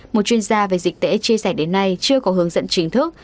một chuyên gia về dịch tễ chia sẻ đến nay chưa có hướng dẫn chính thức